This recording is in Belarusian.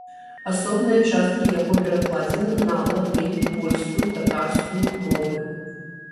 Асобныя часткі яго перакладзены на латынь, польскую, татарскую мовы.